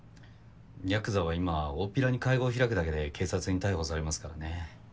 ヤクザは今おおっぴらに会合開くだけで警察に逮捕されますからね。